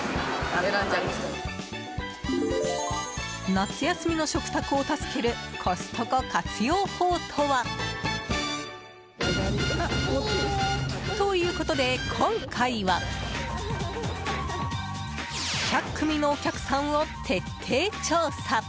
夏休みの食卓を助けるコストコ活用法とは？ということで、今回は１００組のお客さんを徹底調査。